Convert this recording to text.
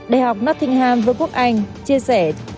đh nothingham vn chia sẻ